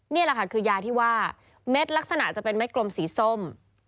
นี่แหละค่ะคือยาที่ว่าเม็ดลักษณะจะเป็นเด็ดกลมสีส้ม